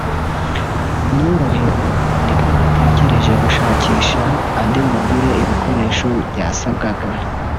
norohewe nibwo natekereje gushakisha andi ngo ngure ibikoresho byasabwaga